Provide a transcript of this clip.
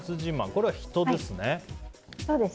これは人ですね。